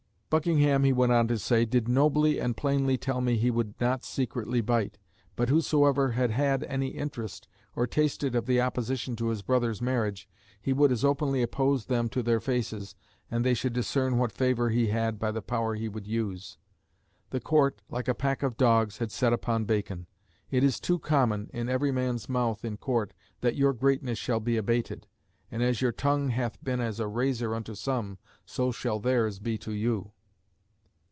Buckingham, he went on to say, "did nobly and plainly tell me he would not secretly bite, but whosoever had had any interest, or tasted of the opposition to his brother's marriage, he would as openly oppose them to their faces, and they should discern what favour he had by the power he would use." The Court, like a pack of dogs, had set upon Bacon. "It is too common in every man's mouth in Court that your greatness shall be abated, and as your tongue hath been as a razor unto some, so shall theirs be to you."